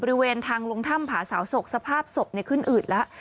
บริเวณทางลงถ้ำผาสาวศกสภาพศพขึ้นอืดแล้ว